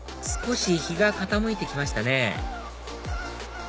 少し日が傾いて来ましたね